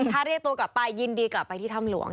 ถ้าเรียกตัวกลับไปยินดีกลับไปที่ถ้ำหลวง